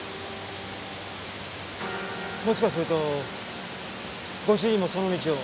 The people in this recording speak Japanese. もしかするとご主人もその道を？